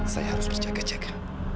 saya harus berjaga jaga